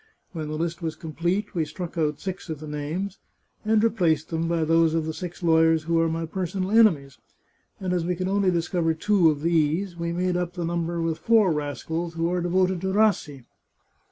When the list was complete we struck out six of the names, and replaced them by those of six lawyers who are my personal enemies, and as we could only discover two of these, we made up the number with four rascals who are devoted to Rassi."